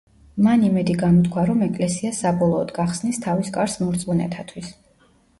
მან იმედი გამოთქვა, რომ ეკლესია საბოლოოდ „გახსნის თავის კარს მორწმუნეთათვის“.